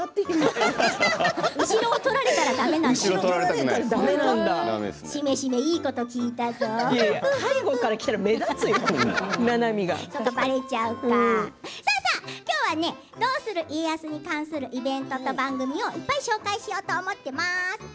しめしめ背後から、ななみが来たら今日は「どうする家康」に関するイベントと番組をいっぱい紹介しようと思っています。